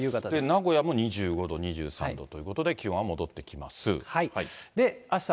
名古屋も２５度、２３度ということで、気温は戻ってきます。